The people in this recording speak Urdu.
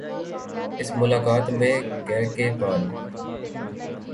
اس ملاقات میں کے کے پال